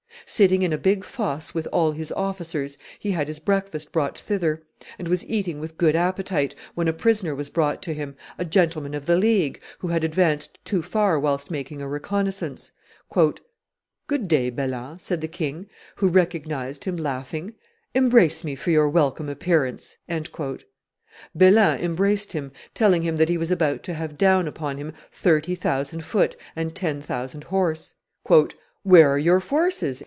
Sitting in a big fosse with all his officers, he had his breakfast brought thither, and was eating with good appetite, when a prisoner was brought to him, a gentleman of the League, who had advanced too far whilst making a reconnaissance. "Good day, Belin," said the king, who recognized him, laughing: "embrace me for your welcome appearance." Belin embraced him, telling him that he was about to have down upon him thirty thousand foot and ten thousand horse. "Where are your forces?"